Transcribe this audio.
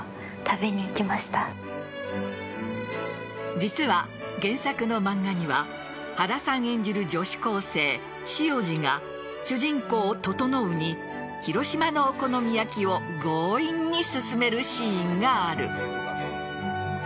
実は、原作の漫画には原さん演じる女子高生・汐路が主人公・整に広島のお好み焼きを強引に勧めるシーンがある。